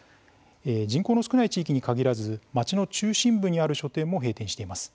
人口の少ない地域に限らず町の中心部にある書店も閉店しています。